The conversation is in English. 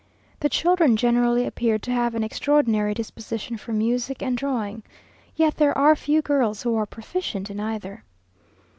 The children generally appear to have an extraordinary disposition for music and drawing, yet there are few girls who are proficient in either.